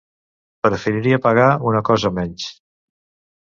Preferiria pagar una cosa menys.